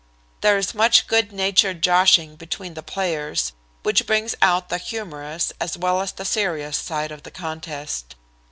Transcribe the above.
There is much good natured joshing between the players, which brings out the humorous as well as the serious side of the contest.